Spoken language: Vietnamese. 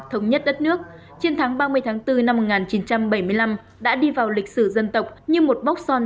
thống nhất đất nước chiến thắng ba mươi tháng bốn năm một nghìn chín trăm bảy mươi năm đã đi vào lịch sử dân tộc như một bóc son